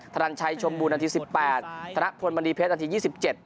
นันชัยชมบูรณีสิบแปดธนพลมณีเพชรนาทียี่สิบเจ็ด